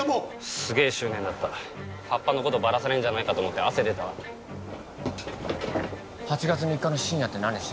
すげえ執念だった葉っぱのことバラされんじゃないかと思って汗出たわ８月３日の深夜って何してた？